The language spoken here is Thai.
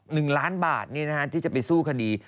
หนึ่งล้านบาทเนี่ยนะฮะที่จะไปสู้คดี